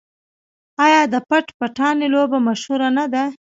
آیا د پټ پټانې لوبه مشهوره نه ده؟